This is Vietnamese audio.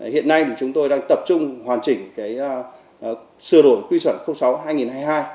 hiện nay thì chúng tôi đang tập trung hoàn chỉnh sửa đổi quy chuẩn sáu hai nghìn hai mươi hai